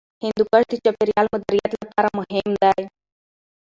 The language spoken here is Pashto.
هندوکش د چاپیریال مدیریت لپاره مهم دی.